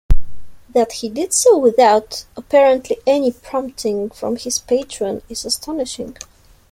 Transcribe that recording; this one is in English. That he did so without, apparently, any prompting from his patron is astonishing.